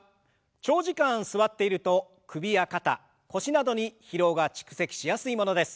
長時間座っていると首や肩腰などに疲労が蓄積しやすいものです。